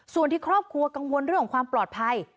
ส่วนที่ครอบครัวกังวลเรื่องของความปลอดภัย